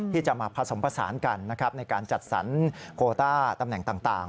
ที่จะมาผสมผสานกันนะครับในการจัดสรรโคต้าตำแหน่งต่าง